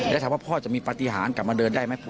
แล้วถามว่าพ่อจะมีปฏิหารกลับมาเดินได้ไหมพ่อ